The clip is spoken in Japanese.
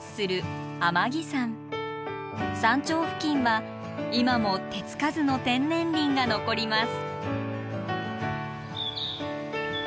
山頂付近は今も手付かずの天然林が残ります。